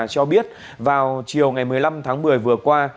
cho biết vào chiều ngày một mươi năm tháng một mươi vừa qua